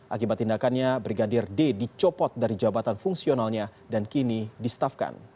akibat tindakannya brigadir d dicopot dari jabatan fungsionalnya dan kini distafkan